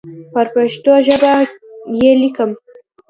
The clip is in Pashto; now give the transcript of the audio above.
پر پښتو ژبه یې لیکم.